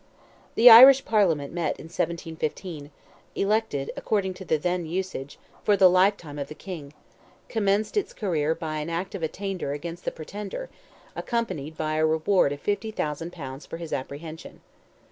The Irish Parliament met in 1715—elected, according to the then usage, for the lifetime of the King—commenced its career by an act of attainder against the Pretender, accompanied by a reward of 50,000 pounds for his apprehension.